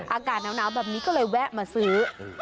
อากาศหนาวแบบนี้ก็เลยแวะมาซื้อ